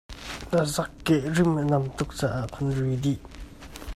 Na zakkeh rim a nam tuk caah kan ri dih.